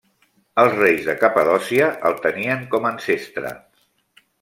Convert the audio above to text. Els reis de Capadòcia el tenien com ancestre.